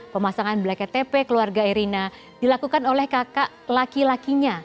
pemasangan blacket tp keluarga erina dilakukan oleh kakak laki lakinya